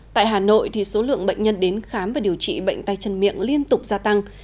tại hà nội số lượng bệnh nhân đến khám và điều trị bệnh tay chân miệng liên tục gia tăng